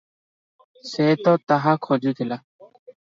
ସେ ତ ତାହା ଖୋଜୁଥିଲା ।